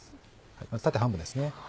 まず縦半分です。